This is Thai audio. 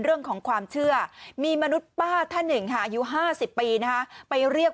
เรื่องของความเชื่อมีมนุษย์ป้าท่านหนึ่งค่ะอายุ๕๐ปีนะคะไปเรียก